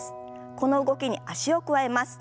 この動きに脚を加えます。